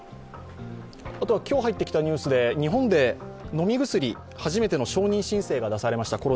今日入ってきたニュースで日本で飲み薬、コロナについて初めての承認申請が出されました。